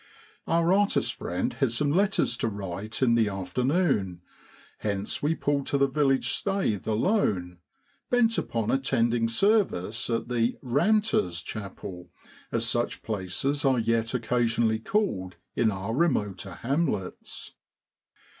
Our artist friend has some letters to write in the afternoon, hence we pull to the village staith alone, bent upon attending service at the ' Kanters' ' chapel, as such places are yet occasionally called in our remoter hamlets.